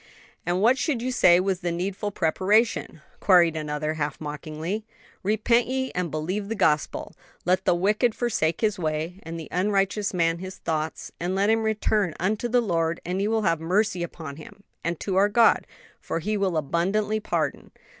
"And what should you say was the needful preparation?" queried another, half mockingly. "'Repent ye and believe the gospel.' 'Let the wicked forsake his way and the unrighteous man his thoughts, and let him return unto the Lord and He will have mercy upon him; and to our God, for He will abundantly pardon.'